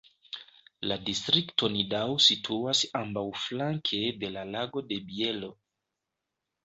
La distrikto Nidau situas ambaŭflanke de la Lago de Bielo.